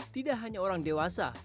tidak hanya orang dewasa